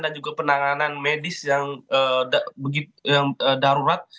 dan juga penanganan medis yang darurat